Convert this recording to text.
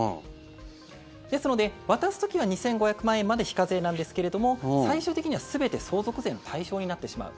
ですので、渡す時は２５００万円まで非課税なんですけれども最終的には全て相続税の対象になってしまう。